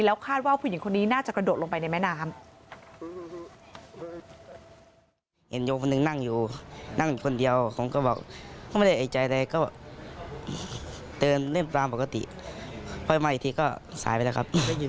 คาดว่าผู้หญิงคนนี้น่าจะกระโดดลงไปในแม่น้ำ